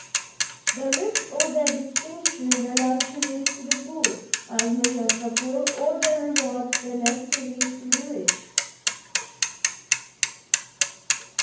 The rich owe their distinction, their luxuries, to the poor, as much as the poor owe their rewards, their necessaries, to the rich."